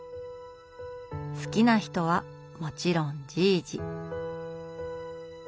好きな人はもちろん「じいじ」。